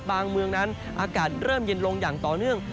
เมืองนั้นอากาศเริ่มเย็นลงอย่างต่อเนื่อง